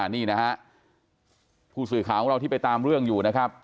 นี่นะฮะผู้สื่อข่าวของเราที่ไปตามเรื่องอยู่นะครับ